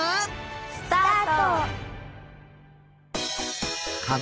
スタート！